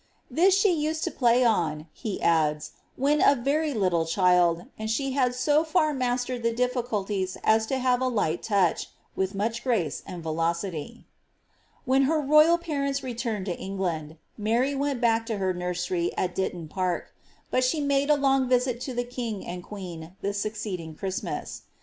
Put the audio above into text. << This she used to play on^ he adds, ^ when a Teiy Ihde child ; and she had so far mastered the difficulties as to have a light touch, with much grace and velocity." When her royal parents returned to £ng1and| Mary went back to her nursery at Ditton Park, but she made a long visit to the king and queeo the succeeding Cliristmas.